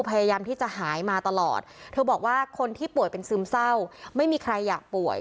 พยายามที่จะหายมาตลอดเธอบอกว่าคนที่ป่วยเป็นซึมเศร้าไม่มีใครอยากป่วย